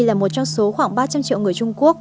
là một trong số khoảng ba trăm linh triệu người trung quốc